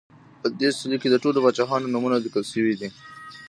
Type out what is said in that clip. په دې څلي کې د ټولو پاچاهانو نومونه لیکل شوي دي